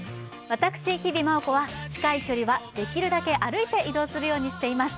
私日比麻音子は近い距離はできるだけ歩いて移動するようにしています